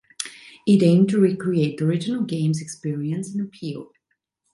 It aimed to recreate the original games experience and appeal.